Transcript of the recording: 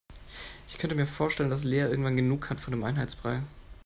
Ich könnte mir vorstellen, dass Lea irgendwann genug hat von dem Einheitsbrei.